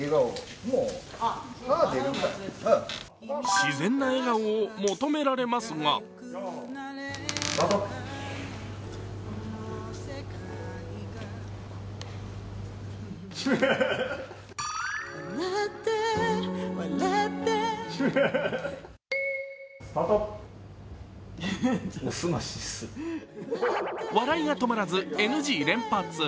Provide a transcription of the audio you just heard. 自然な笑顔を求められますが笑いが止まらずＮＧ連発。